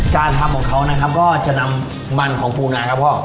การทำของเขานะครับก็จะนำมันของปูนาครับพ่อ